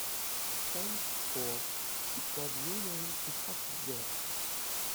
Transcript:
Thenceforth, it was renamed to PocketZip.